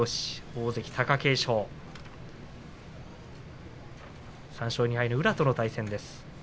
大関貴景勝３勝２敗の宇良との対戦です。